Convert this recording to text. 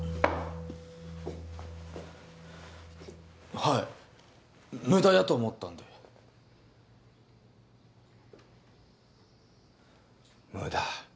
はいムダやと思ったんでムダ